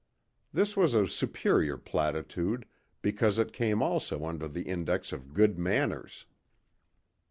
This was a superior platitude because it came also under the index of good manners.